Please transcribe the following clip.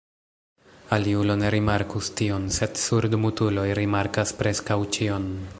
Aliulo ne rimarkus tion, sed surdmutuloj rimarkas preskaŭ ĉion.